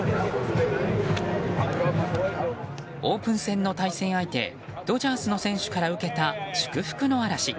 オープン戦の対戦相手ドジャースの選手から受けた祝福の嵐。